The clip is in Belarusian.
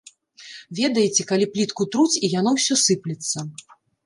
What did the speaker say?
Ведаеце, калі плітку труць, і яно ўсё сыплецца.